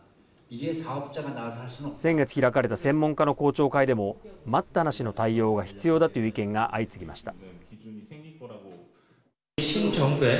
先月開かれた専門家の公聴会でも待ったなしの対応は必要だという意見が相次ぎました。